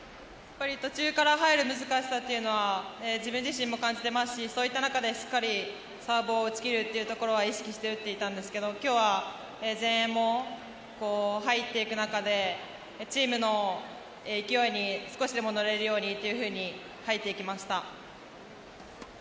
途中から入る難しさというのは自分自身も感じていますしそういった中でしっかりサーブを打ち切るというところは意識して打っていたんですが今日は前衛も入っていく中でチームの勢いに少しでも乗れるようにと入っていきました。